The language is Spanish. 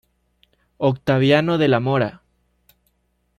Octaviano de la Mora.